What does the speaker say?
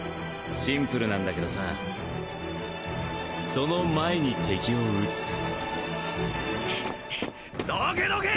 シンプルなんだけどさその前に敵を討つハッハッどけどけ！